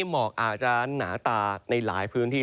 หมอกอาจจะหนาตาในหลายพื้นที่